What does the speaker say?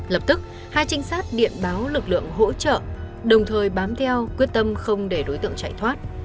lập tức hai trinh sát điện báo lực lượng hỗ trợ đồng thời bám theo quyết tâm không để đối tượng chạy thoát